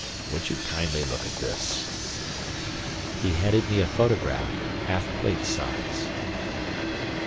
Would you kindly look at this?" He handed me a photograph half plate size.